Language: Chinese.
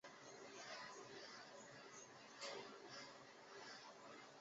郑可荣在包厢内遭此所谓长官以舔耳及亲吻之方式对其性骚扰。